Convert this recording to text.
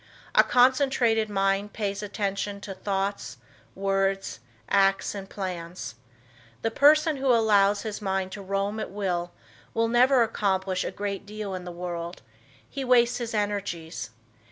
A concentrated mind pays attention to thoughts, words, acts and plans. The person who allows his mind to roam at will will never accomplish a great deal in the world. He wastes his energies.